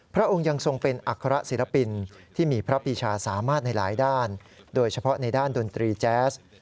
พระองค์ยังทรงเป็นอัคระศิลปินที่มีพระปีชาสามารถในหลายด้านโดยเฉพาะในด้านดนตรีแจ๊ส